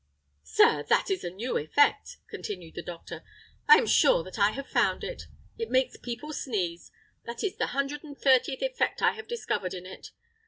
"Sir, that is a new effect," continued the doctor: "I am sure that I have found it. It makes people sneeze. That is the hundred and thirteenth effect I have discovered in it.